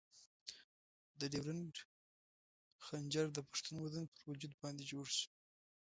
د ډیورنډ خنجر د پښتون وطن پر وجود باندې جوړ شوی.